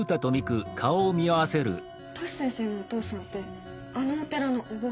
トシ先生のお父さんってあのお寺のお坊さん？